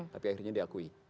tapi akhirnya diakui